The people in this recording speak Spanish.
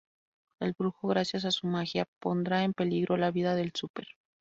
El brujo gracias a su magia pondrá en peligro la vida del "Súper".